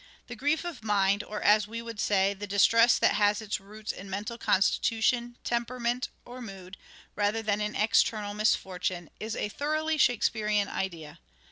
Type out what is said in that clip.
" The grief of mind," or as we " Grief of would say, the distress that has its roots in mental mmd constitution, temperament, or mood, rather than in external misfortune, is a thoroughly Shakespearean idea.